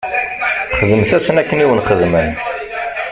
Xdemt-asen akken i wen-xedmen.